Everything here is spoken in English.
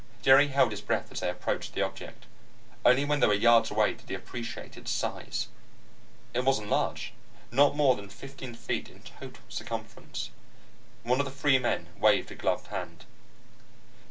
Jerry held his breath as they approached the object; only when they were yards away did he appreciate its size. It wasn't large; not more than fifteen feet in total circumference. One of the three men waved a gloved hand.